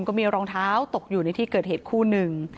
ก็มีรองเท้าตกอยู่ในที่เกิดเหตุคู่หนึ่ง